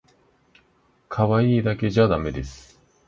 かわいいだけじゃだめです